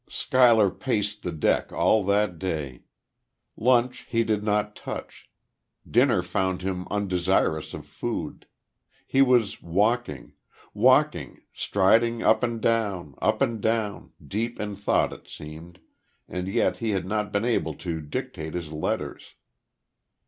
Schuyler paced the deck all that day. Lunch he did not touch. Dinner found him undesirous of food. He was walking walking striding up and down, up and down deep in thought, it seemed and yet he had not been able to dictate his letters.